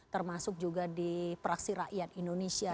termasuk juga di praksi rakyat indonesia